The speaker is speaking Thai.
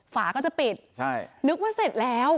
ฝาก็จะปิดใช่นึกว่าเสร็จแล้ว